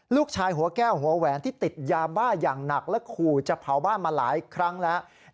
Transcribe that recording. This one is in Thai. หัวแก้วหัวแหวนที่ติดยาบ้าอย่างหนักและขู่จะเผาบ้านมาหลายครั้งแล้ว